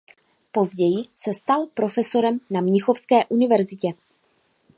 Později se stal profesorem na Mnichovské univerzitě.